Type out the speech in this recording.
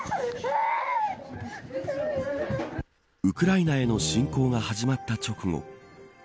ウクライナへの侵攻が始まった直後